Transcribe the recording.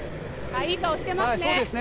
いい顔、してますね。